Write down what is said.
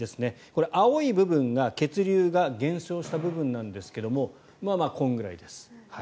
これ、青い部分が血流が減少した部分なんですがこんぐらいです。